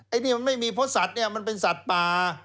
อันนี้มันไม่มีเพราะสัตว์เนี่ยมันเป็นสัตว์ป่า